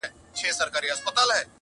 • ږغ اوچت کړی دی -